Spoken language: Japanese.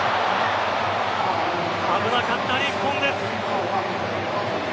危なかった日本です。